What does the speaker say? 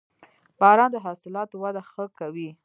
• باران د حاصلاتو وده ښه کوي.